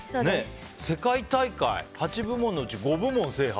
世界大会８部門のうち５部門制覇。